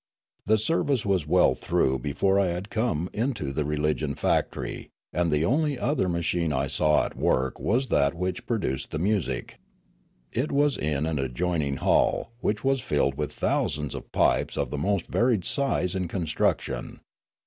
The service was well through before I had come into the religion factory, and the only other ma chine I saw at work was that which produced the music. It was in an adjoining hall, which was filled with thousands of pipes of the most varied size and con struction.